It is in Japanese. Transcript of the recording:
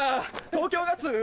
東京ガス？